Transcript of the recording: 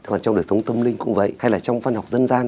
còn trong đời sống tâm linh cũng vậy hay là trong văn học dân gian